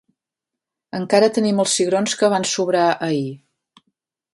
Encara tenim els cigrons que van sobrar ahir.